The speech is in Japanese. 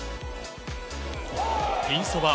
ピンそば